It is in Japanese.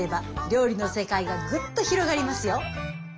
料理の世界がグッと広がりますよ。